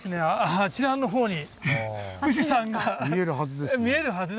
あちらの方に富士山が見えるはずなんですけど。